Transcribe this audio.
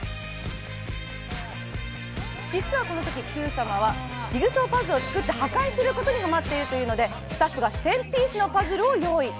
実はこのとき、ヒュー様はジグソーパズルを作って破壊することにハマっているというので、スタッフが１０００ピースのパズルを用意。